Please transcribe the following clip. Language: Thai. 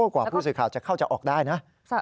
กว่าผู้สื่อข่าวจะเข้าจะออกได้นะ